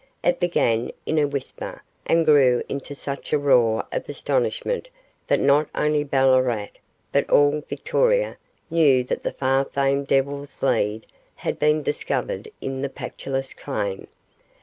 It began in a whisper, and grew into such a roar of astonishment that not only Ballarat, but all Victoria, knew that the far famed Devil's Lead had been discovered in the Pactolus claim.